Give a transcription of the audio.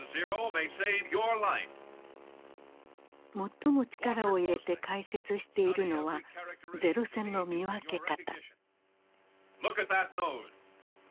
最も力を入れて解説しているのは零戦の見分け方。